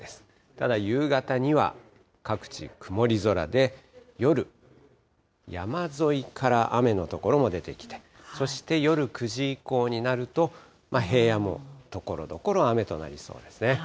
ただ夕方には各地、曇り空で、夜、山沿いから雨の所も出てきて、そして夜９時以降になると、平野もところどころ雨となりそうですね。